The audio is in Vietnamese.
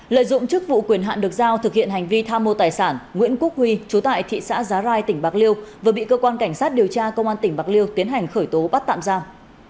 lợi dụng chức vụ quyền hạn được giao thực hiện hành vi tham mô tài sản nguyễn quốc huy chú tại thị xã giá rai tỉnh bạc liêu vừa bị cơ quan cảnh sát điều tra công an tỉnh bạc liêu tiến hành khởi tố bắt tạm giam